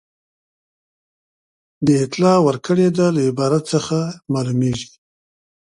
د اطلاع ورکړې ده له عبارت څخه معلومیږي.